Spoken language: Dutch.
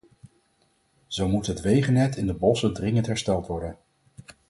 Zo moet het wegennet in de bossen dringend hersteld worden.